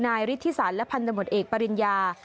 นายฤทธิสันและพันธบทเอกปริญญา